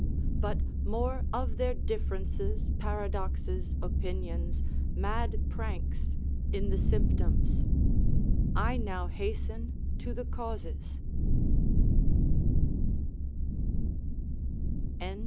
But more of their differences, paradoxes, opinions, mad pranks, in the symptoms: I now hasten to the causes.